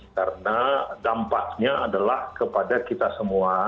karena dampaknya adalah kepada kita semua